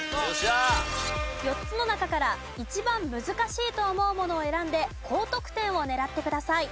４つの中から一番難しいと思うものを選んで高得点を狙ってください。